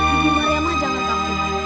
ibu maryamah jangan takut